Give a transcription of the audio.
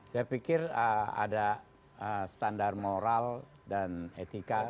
saya pikir ada standar moral dan etika